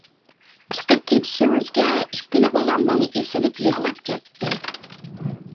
چىقىپ كېتىشىڭىزگە ئىككىلا بالام ماڭا ئېسىلىپ يىغلاپ كەتتى.